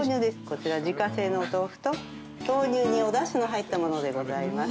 こちら自家製のお豆腐と豆乳におだしの入ったものでございます。